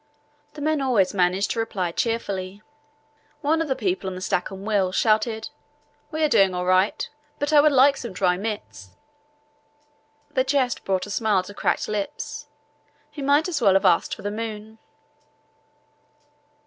The men always managed to reply cheerfully. One of the people on the Stancomb Wills shouted, "We are doing all right, but I would like some dry mitts." The jest brought a smile to cracked lips. He might as well have asked for the moon.